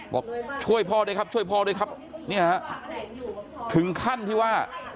บอกช่วยพ่อด้วยครับช่วยพ่อด้วยครับเนี่ยฮะถึงขั้นที่ว่า